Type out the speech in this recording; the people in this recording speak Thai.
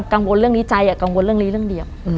กังวลเรื่องนี้ใจกังวลเรื่องนี้เรื่องเดียว